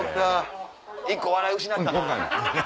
１個笑い失ったな。